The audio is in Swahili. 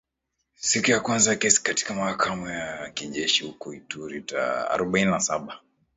Siku ya kwanza ya kesi katika mahakama ya kijeshi huko Ituri iliwatambua washtakiwa na silaha zilizonaswa ambazo ni bunduki arubaini na saba